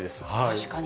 確かに。